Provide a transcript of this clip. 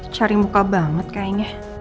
cari muka banget kayaknya